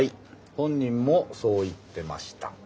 本人もそう言ってました。